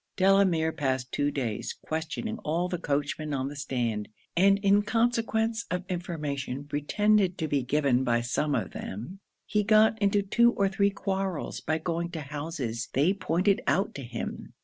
Delamere passed two days, questioning all the coachmen on the stand; and in consequence of information pretended to be given by some of them, he got into two or three quarrels by going to houses they pointed out to him.